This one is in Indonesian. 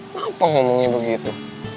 kenapa ngomongnya begitu